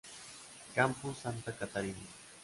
Campus Santa Catarina.